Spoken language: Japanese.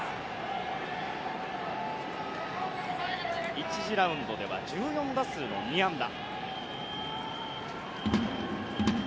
１次ラウンドでは１４打数の２安打。